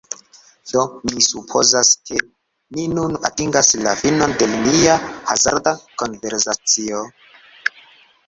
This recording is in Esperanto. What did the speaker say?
Do, mi supozas, ke ni nun atingas la finon de nia hazarda konversacio.